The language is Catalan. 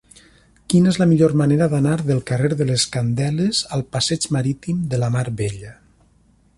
Quina és la millor manera d'anar del carrer de les Candeles al passeig Marítim de la Mar Bella?